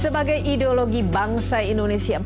sebagai ideologi bangsa indonesia